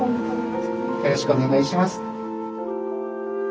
よろしくお願いします。